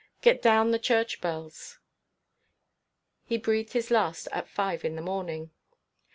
Get down the church bells...." He breathed his last at five in the morning.